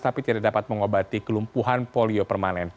tapi tidak dapat mengobati kelumpuhan polio permanen